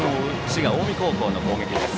滋賀・近江高校の攻撃。